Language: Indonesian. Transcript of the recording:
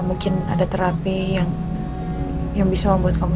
mungkin ada terapi yang bisa membuat kamu